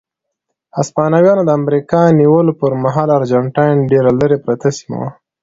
هسپانویانو د امریکا نیولو پر مهال ارجنټاین ډېره لرې پرته سیمه وه.